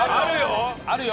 あるよ！